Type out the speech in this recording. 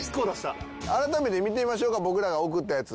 改めて見てみましょうか僕らが送ったやつ。